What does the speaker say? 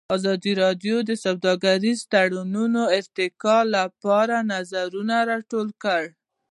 ازادي راډیو د سوداګریز تړونونه د ارتقا لپاره نظرونه راټول کړي.